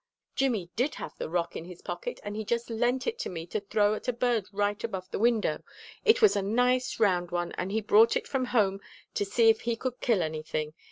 "Jimmy did have the rock in his pocket, and he just lent it to me to throw at a bird right above the window. It was a nice round one, and he brought it from home to see if he could kill anything.